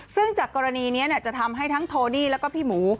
ซึ่งจากกรณีนี้จะทำให้ทั้งโทดี้แล้วก็พี่หมู